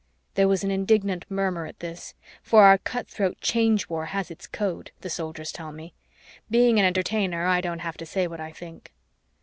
There was an indignant murmur at this, for our cutthroat Change War has its code, the Soldiers tell me. Being an Entertainer, I don't have to say what I think.